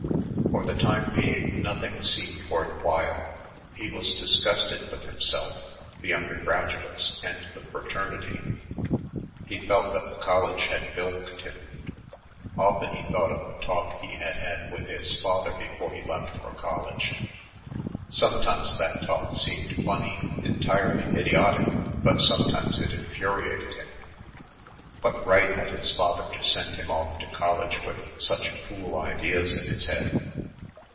For the time being nothing seemed worth while: he was disgusted with himself, the undergraduates, and the fraternity; he felt that the college had bilked him. Often he thought of the talk he had had with his father before he left for college. Sometimes that talk seemed funny, entirely idiotic, but sometimes it infuriated him. What right had his father to send him off to college with such fool ideas in his head?